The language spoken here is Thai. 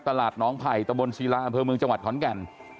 ตลาดน้องไผ่ตะบนศิลาอำเภอเมืองจังหวัดขอนแก่น